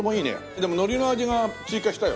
でも海苔の味が追加したよ。